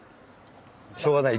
しょうがない。